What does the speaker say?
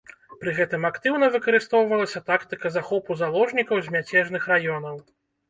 Пры гэтым актыўна выкарыстоўвалася тактыка захопу заложнікаў з мяцежных раёнаў.